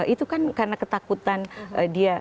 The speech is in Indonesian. itu kan karena ketakutan dia